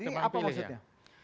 ini apa maksudnya